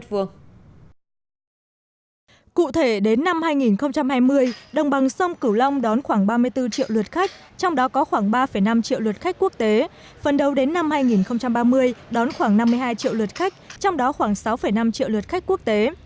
cụ thể đến năm hai nghìn hai mươi đồng bằng sông kiểu long đón khoảng ba mươi bốn triệu lượt khách trong đó có khoảng ba năm triệu lượt khách quốc tế